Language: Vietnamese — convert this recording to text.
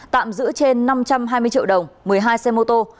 tạm giữ trên năm trăm hai mươi triệu đồng một mươi hai xe mô tô